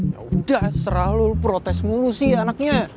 ya udah serah lo lo protes mulu sih ya anaknya